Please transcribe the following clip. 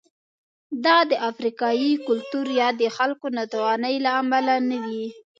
دا د افریقايي کلتور یا د خلکو ناتوانۍ له امله نه وې.